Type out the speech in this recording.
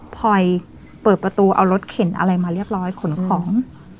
พอยเปิดประตูเอารถเข็นอะไรมาเรียบร้อยขนของ